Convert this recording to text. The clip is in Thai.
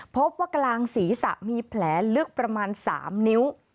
พบว่ากลางศีรษะมีแผลลึกประมาณ๓นิ้ว